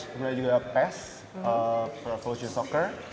kemudian juga pass revolution soccer